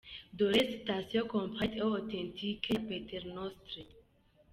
Dore citation complète et authentique ya Paternostre :